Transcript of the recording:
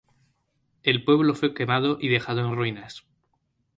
El pueblo fue quemado y dejado en ruinas.